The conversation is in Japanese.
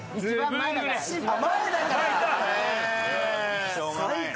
前だから。